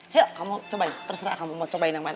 yuk kamu cobain terserah kamu mau cobain yang mana